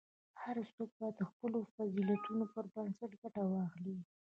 هر څوک باید د خپلو فضیلتونو پر بنسټ ګټه واخلي.